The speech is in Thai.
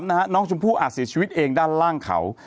น้องชมพู่อาจเสียชีวิตเองด้านล่างเขา